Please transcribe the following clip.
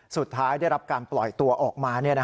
สุดท้ายได้รับการปล่อยตัวออกมา